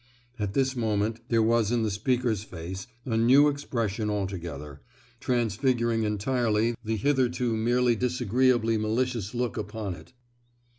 at this moment there was in the speaker's face a new expression altogether, transfiguring entirely the hitherto merely disagreeably malicious look upon it.